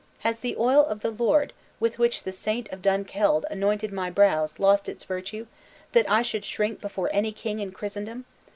Has the oil of the Lord, with which the saint of Dunkeld anointed my brows, lost its virtue, that I should shrink before any king in Christendom?